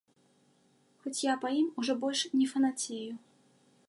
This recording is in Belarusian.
Хоць я па ім ўжо больш не фанацею.